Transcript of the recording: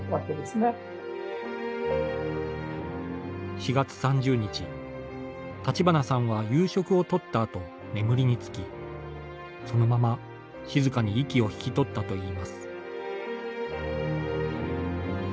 ４月３０日、立花さんは夕食を取ったあと、眠りにつきそのまま静かに息を引き取ったといいます。